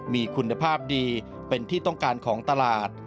มีคุณภาพดีเป็นที่ต้องการของตลาด